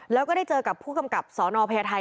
แล้วก็ได้เจอกับผู้กำกับสนพญาไทย